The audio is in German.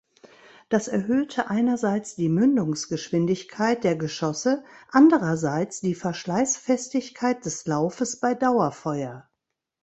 Das erhöhte einerseits die Mündungsgeschwindigkeit der Geschosse, andererseits die Verschleißfestigkeit des Laufes bei Dauerfeuer.